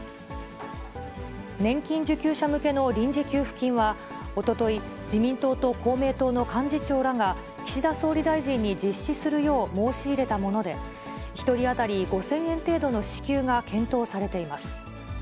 年金受給者向けの臨時給付金は、おととい、自民党と公明党の幹事長らが岸田総理大臣に実施するよう申し入れたもので、１人当たり５０００円程度の支給が検討されています。